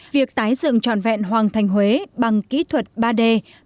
việc tái dựng trọn vẹn hoàng thành huế bằng kỹ thuật ba d